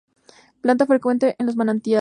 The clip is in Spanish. Planta frecuente en los manantiales.